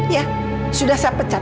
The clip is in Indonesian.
ya sudah saya pecat